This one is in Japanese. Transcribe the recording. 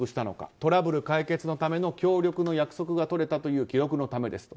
トラブル解決のための協力の約束が取れたという記録のためですと。